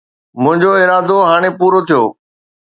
منهنجو ارادو هاڻي پورو ٿيو